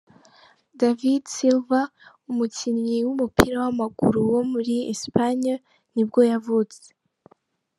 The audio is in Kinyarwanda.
David Silva, umukinnyi w’umupira w’amaguru wo muri Espagne nibwo yavutse.